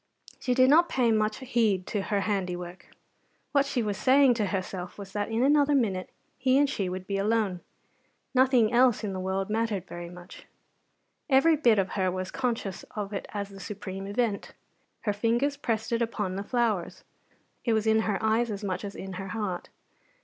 She did not pay much heed to her handiwork. What she was saying to herself was that in another minute he and she would be alone. Nothing else in the world mattered very much. Every bit of her was conscious of it as the supreme event. Her fingers pressed it upon the flowers. It was in her eyes as much as in her heart.